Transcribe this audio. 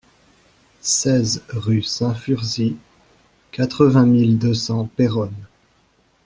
seize rue Saint-Fursy, quatre-vingt mille deux cents Péronne